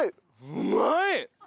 うまい！